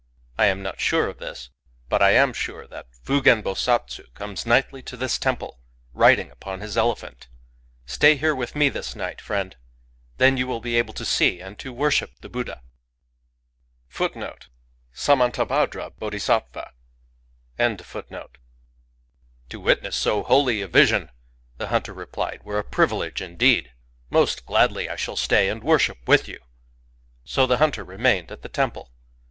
I am not sure of this. But I am sure that Fugen Bosatsu ^ comes nightly to this temple, riding upon his elephant. •.• Stay here with me this night, friend ; then you will be able to see and to worship the Buddha." " To witness so holy a vision," the hunter replied, ^*were a privilege indeed! Most gladly I shall stay, and worship with you." So the hunter remained at the temple.